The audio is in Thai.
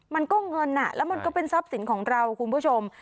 มันก็เงินแล้วมันก็เป็นทรัพย์สินของเราคุณผู้ชม